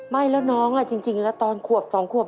ไม่แล้วน้องจริงแล้วตอนขวบ๒ขวบ